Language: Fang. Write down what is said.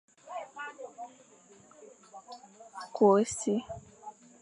Ku e si.